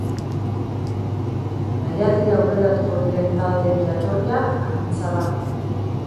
Jaialdira urreratuko diren taldeen jatorria anitza da.